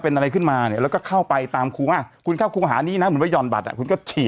เป็นอะไรขึ้นมาเนี่ยแล้วก็เข้าไปตามครูว่าคุณเข้าครูหานี้นะเหมือนว่าห่อนบัตรอ่ะคุณก็ฉีด